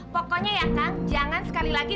pokoknya ya kang jangan sekali lagi